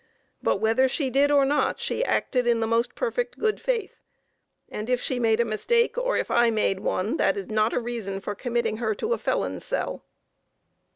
But whether she did or not, she acted in the most perfect good faith, and if she made a mistake, or if I made one, that is not a reason for committing her to a felon's cell.